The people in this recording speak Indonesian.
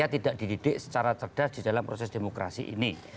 jadi tidak ada pd secara cerdas di dalam proses demokrasi ini